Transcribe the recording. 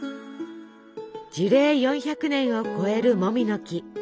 樹齢４００年を超えるモミの木。